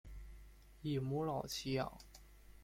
以母老乞养。